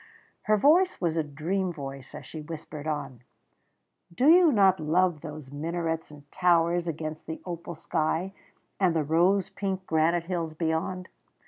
Her voice was a dream voice as she whispered on. "Do you not love those minarets and towers against the opal sky, and the rose pink granite hills beyond?